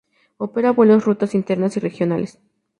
Opera vuelos rutas internas y regionales.